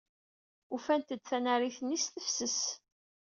Ufant-d tanarit-nni s tefses.